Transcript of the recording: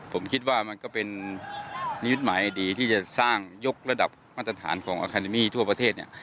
ผมคิดว่ามันก็เป็นนิมิตหมายดีที่จะสร้างยกระดับมาตรฐานของอาคาเดมี่ทั่วประเทศเนี่ย